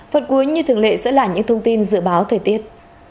phần cuối như thường lệ sẽ là những thông tin dự báo thời tiết